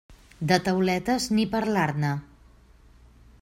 De tauletes ni parlar-ne.